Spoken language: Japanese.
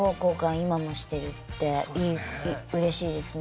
今もしてるってうれしいですね。